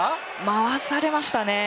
回されましたね。